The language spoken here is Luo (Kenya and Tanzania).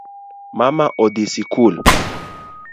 Mama odhii sikul